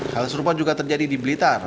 hal serupa juga terjadi di blitar